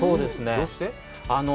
どうして？